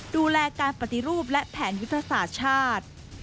ดูแลการปฏิรูปและแผนยุทธศาสตร์ชาติ